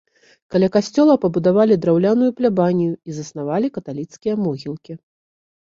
Каля касцёла пабудавалі драўляную плябанію і заснавалі каталіцкія могілкі.